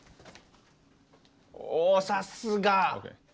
おさすが！